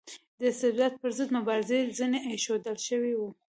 د استبداد پر ضد مبارزه زڼي ایښودل شوي وو.